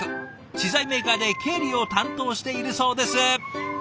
資材メーカーで経理を担当しているそうです。